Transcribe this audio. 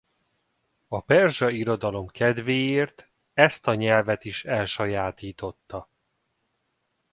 A perzsa irodalom kedvéért ezt a nyelvet is elsajátította.